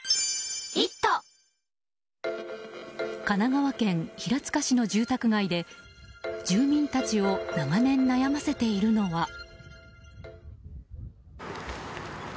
神奈川県平塚市の住宅街で住民たちを長年、悩ませているのは。